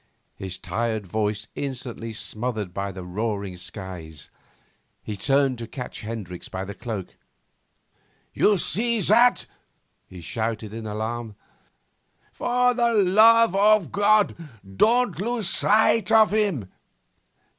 his tired voice instantly smothered by the roaring skies. He turned to catch Hendricks by the cloak. 'You see that!' he shouted in alarm. 'For the love of God, don't lose sight of him!